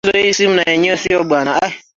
Tujipange kesho tufike mapema